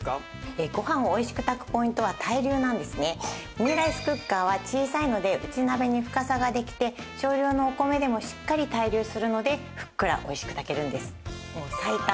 ミニライスクッカーは小さいので内鍋に深さができて少量のお米でもしっかり対流するのでふっくらおいしく炊けるんです。